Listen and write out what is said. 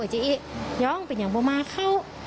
เจ๊อียองเป็นอย่างโบมาเข้า